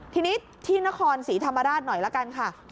ทีนี้ที่นครศรีธรรมราชหน่อยละกันค่ะ